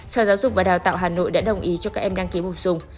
sở giáo dục và đào tạo hà nội đã đồng ý cho các em đăng ký bổ sung